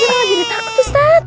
jangan lagi ditakut ustaz